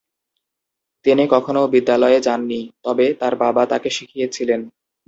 তিনি কখনও বিদ্যালয়ে যান নি, তবে তার বাবা তাকে শিখিয়েছিলেন।